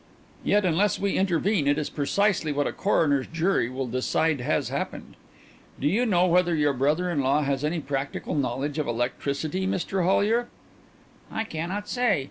"Yet unless we intervene it is precisely what a coroner's jury will decide has happened. Do you know whether your brother in law has any practical knowledge of electricity, Mr Hollyer?" "I cannot say.